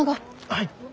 はい。